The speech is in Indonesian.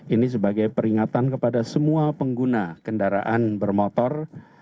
ini sebagai peringatan kepada semua pengguna kendaraan bermotor